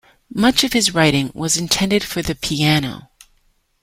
Much of his writing was intended for the piano.